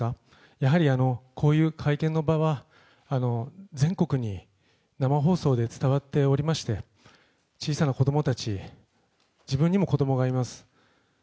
やはりこういう会見の場は、全国に生放送で伝わっておりまして小さな子供たち、自分にも子供がいます。